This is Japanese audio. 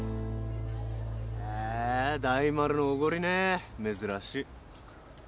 へぇ大丸のおごりねぇ珍しい。